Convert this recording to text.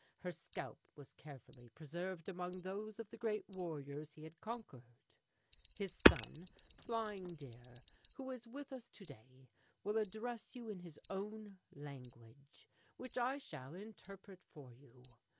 Her scalp was carefully preserved among those of the great warriors he had conquered. His son, Flying Deer, who is with us to day, will address you in his own language, which I shall interpret for you.